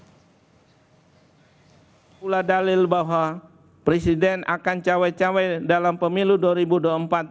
pula dalil bahwa presiden akan cawe cawe dalam pemilu dua ribu dua puluh empat